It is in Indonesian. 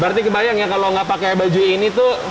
berarti kebayang ya kalau nggak pakai baju ini tuh